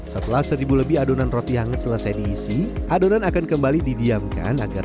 setelah seribu lebih adonan roti hangat selesai diisi adonan akan kembali didiamkan agar